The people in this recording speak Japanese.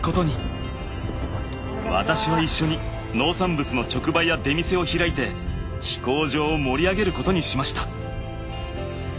私は一緒に農産物の直売や出店を開いて飛行場を盛り上げることにしました。